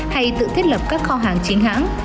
hay tự thiết lập các kho hàng chính hãng